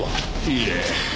いいえ。